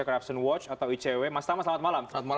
mas tamai selamat malam